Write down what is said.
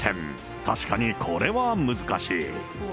確かにこれは難しい。